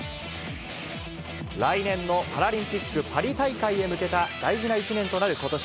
来年のパラリンピックパリ大会へ向けた大事な１年となることし。